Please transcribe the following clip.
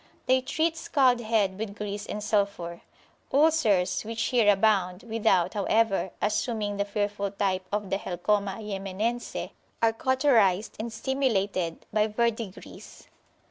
They treat scald head with grease and sulphur. Ulcers, which here abound, without, however, assuming the fearful type of the Helcoma Yemenense, are cauterised and stimulated by verdigris.